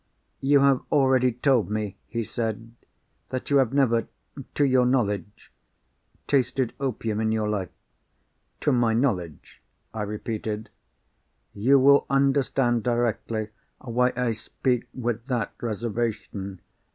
"You have already told me," he said, "that you have never—to your knowledge—tasted opium in your life." "To my knowledge," I repeated. "You will understand directly why I speak with that reservation.